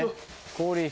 氷